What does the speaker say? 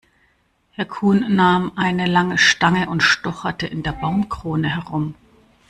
Herr Kuhn nahm eine lange Stange und stocherte in der Baumkrone herum.